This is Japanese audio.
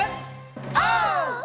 オー！